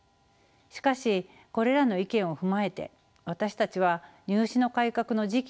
しかしこれらの意見を踏まえて私たちは入試の改革の時期などを判断しました。